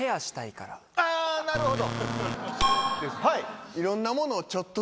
なるほど！